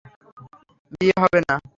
বিয়ে হবে না।